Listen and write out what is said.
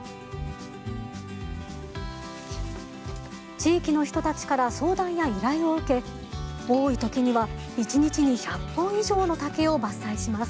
地域の人たちから相談や依頼を受け多い時には一日に１００本以上の竹を伐採します。